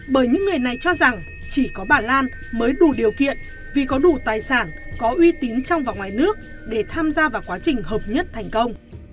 bởi những người này cho rằng chỉ có bà lan mới đủ điều kiện vì có đủ tài sản có uy tín trong và ngoài nước để tham gia vào quá trình hợp nhất thành công